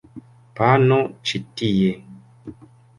Pano ĉi tie!